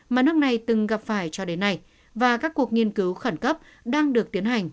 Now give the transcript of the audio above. mà nước này từng gặp phải cho đến nay và các cuộc nghiên cứu khẩn cấp đang được tiến hành